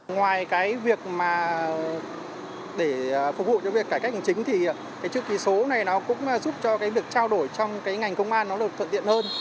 ngoài việc phục vụ cho việc cải cách hành chính chữ ký số này cũng giúp cho việc trao đổi trong ngành công an được thuận tiện hơn